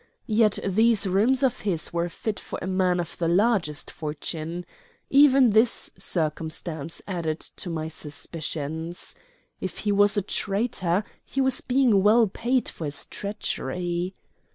Yet these rooms of his were fit for a man of the largest fortune. Even this circumstance added to my suspicions. If he was a traitor, he was being well paid for his treachery.